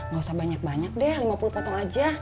gak usah banyak banyak deh lima puluh potong aja